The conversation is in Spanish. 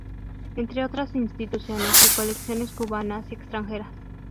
Entre otras instituciones y colecciones cubanas y extranjeras